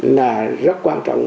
là rất quan trọng